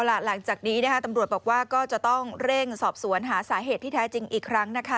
หลังจากนี้นะคะตำรวจบอกว่าก็จะต้องเร่งสอบสวนหาสาเหตุที่แท้จริงอีกครั้งนะคะ